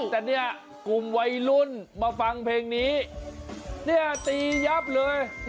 แต่เนี่ยกลุ่มวัยรุ่นมาฟังเพลงนี้เนี่ยตียับเลย